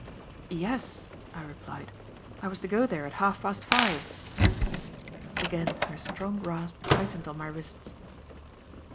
"Yes," I replied. "I was to go there at half past five." Again her strong grasp tightened on my wrists.